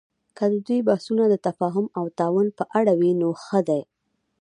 که د دوی بحثونه د تفاهم او تعاون په اړه وي، نو ښه دي